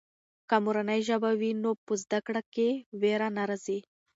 که مورنۍ ژبه وي نو په زده کړه کې وېره نه راځي.